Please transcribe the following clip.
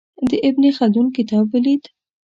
د ابن خلدون کتاب ولید.